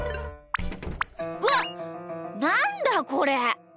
うわなんだこれ！